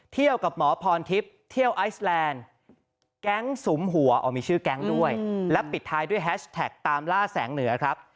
กับหมอพรทิพย์เที่ยวไอซแลนด์แก๊งสุมหัวอ๋อมีชื่อแก๊งด้วยและปิดท้ายด้วยแฮชแท็กตามล่าแสงเหนือครับ